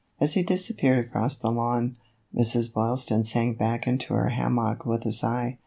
As he disappeared across the lawn, Mrs. Boylston sank back into her hammock with a sigh.